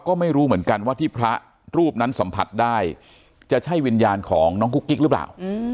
ก็ไม่รู้เหมือนกันว่าที่พระรูปนั้นสัมผัสได้จะใช่วิญญาณของน้องกุ๊กกิ๊กหรือเปล่า